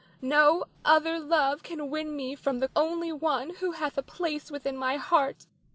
No other love can win me from the only one who hath a place within my heart.